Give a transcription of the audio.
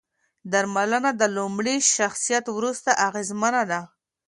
درملنه د لومړي تشخیص وروسته اغېزمنه ده.